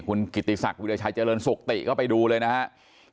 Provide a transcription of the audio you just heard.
คุณกิติศักดิราชัยเจริญสุขติก็ไปดูเลยนะครับ